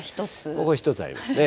ここ１つありますね。